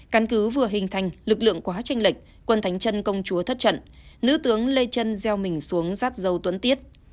căn cứ vừa hình thành lực lượng quá tranh lệch quân thánh chân công chúa thất trận nữ tướng lê trân gieo mình xuống rát dâu tuấn tiết